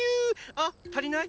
あ足りない？